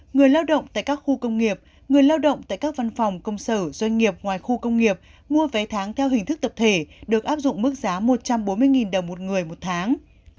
người lao động tại các khu công nghiệp người lao động tại các văn phòng công sở doanh nghiệp ngoài khu công nghiệp mua vé tháng theo hình thức tập thể được áp dụng mức giá một trăm bốn mươi đồng một người một tháng